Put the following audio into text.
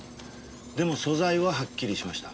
でも素材ははっきりしました。